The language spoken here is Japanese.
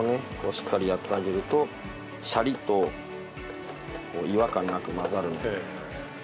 しっかりやってあげるとしゃりと違和感なく混ざる。